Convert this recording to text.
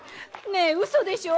ねえうそでしょ？